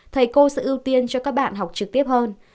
thầy cô sẽ ưu tiên cho các bạn học trực tiếp hơn